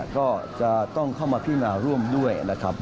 ก็จะต้องเข้ามาพิจารณาร่วมด้วย